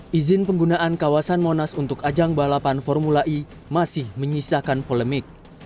hai izin penggunaan kawasan monas untuk ajang balapan formula e masih menyisakan polemik